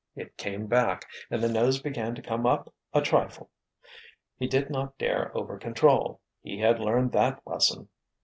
It came back, and the nose began to come up a trifle. He did not dare over control. He had learned that lesson!